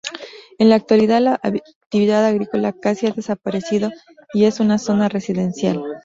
En la actualidad la actividad agrícola casi ha desaparecido y es una zona residencial.